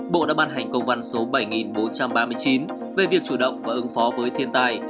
bộ đã ban hành công văn số bảy bốn trăm ba mươi chín về việc chủ động và ứng phó với thiên tai